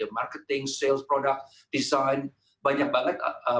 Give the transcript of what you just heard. marketing sales product design banyak banget